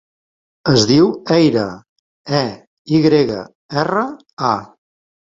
Es diu Eyra: e, i grega, erra, a.